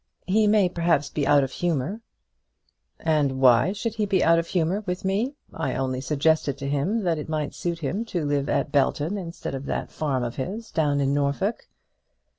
"He may, perhaps, be out of humour." "And why should he be out of humour with me? I only suggested to him that it might suit him to live at Belton instead of at that farm of his, down in Norfolk."